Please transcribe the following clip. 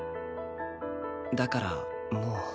だからもう。